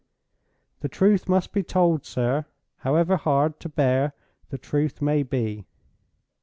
The truth must be told, sir, however hard to bear the truth may be.